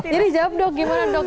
jadi jawab dong gimana dong